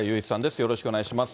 よろしくお願いします。